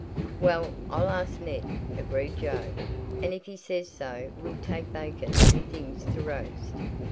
"Well, I'll ask Ned," agreed Joe, "and if he says so we'll take bacon and things to roast."